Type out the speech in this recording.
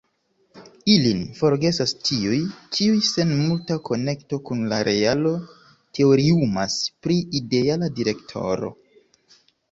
Ilin forgesas tiuj, kiuj sen multa konekto kun la realo teoriumas pri ideala direktoro.